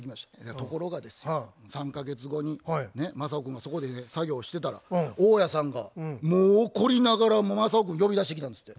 ところがですよ３か月後にマサオ君がそこで作業をしてたら大家さんがもう怒りながらマサオ君呼び出してきたんですって。